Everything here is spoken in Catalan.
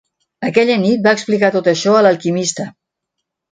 Aquella nit, va explicar tot això a l'alquimista.